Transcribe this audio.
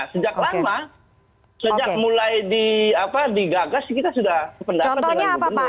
sejak lama sejak mulai digagas kita sudah sependapat dengan gubernur